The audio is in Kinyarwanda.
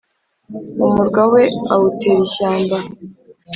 Umurwa we awutera ishyamba